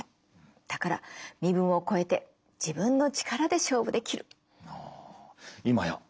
だから身分を超えて自分の力で勝負できる。